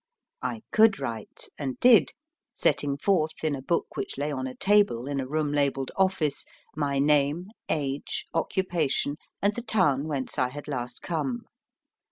I could write, and did, setting forth, in a book which lay on a table in a room labelled "Office," my name, age, occupation, and the town whence I had last come.